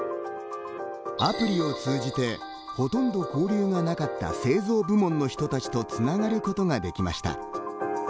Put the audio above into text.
アプリを通じて、ほとんど交流がなかった製造部門の人たちとつながることができました。